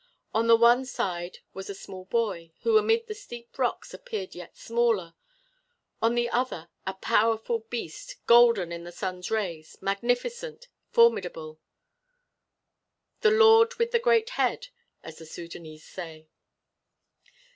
On the one side was a small boy, who amid the steep rocks appeared yet smaller, on the other a powerful beast, golden in the sun's rays, magnificent, formidable "The lord with the great head," as the Sudânese say.